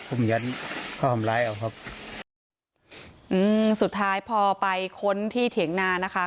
อุ้มยั้นเขาห้ามร้ายอ่ะครับอืมสุดท้ายพอไปคนที่เถียงนานะคะ